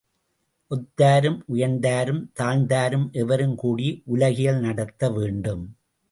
ஒத்தாரும் உயர்ந்தாரும் தாழ்ந்தாரும் எவரும் கூடி உலகியல் நடத்த வேண்டும்.